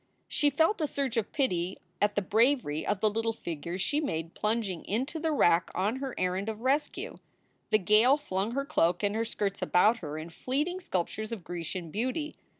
She felt a surge of pity at the bravery of the little figure she made plunging into the wrack on her errand of rescue. The gale flung her cloak and her skirts about her in fleeting sculptures of Grecian beauty.